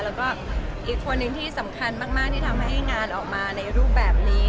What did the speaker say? แล้วก็อีกคนนึงที่สำคัญมากที่ทำให้งานออกมาในรูปแบบนี้